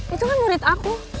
itu kan murid aku